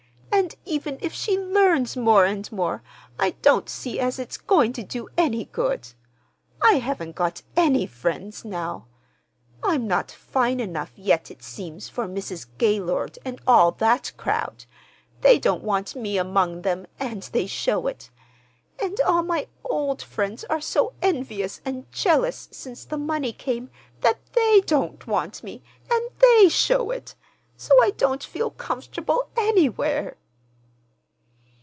And even if she learns more and more, I don't see as it's going to do any good. I haven't got any friends now. I'm not fine enough yet, it seems, for Mrs. Gaylord and all that crowd. They don't want me among them, and they show it. And all my old friends are so envious and jealous since the money came that they don't want me, and they show it; so I don't feel comfortable anywhere."